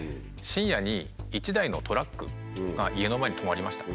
深夜に１台のトラックが家の前に止まりました。